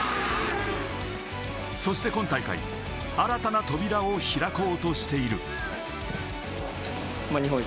そして今大会、新たな扉を開こうとしている。